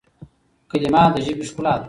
کلیمه د ژبي ښکلا ده.